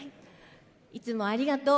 いつもありがとう。